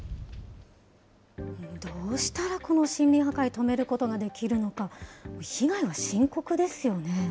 どうしたらこの森林破壊、止めることができるのか、被害は深刻ですよね。